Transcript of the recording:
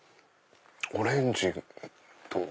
オレンジと。